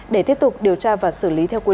để tiếp tục điều tra và xử lý theo quy định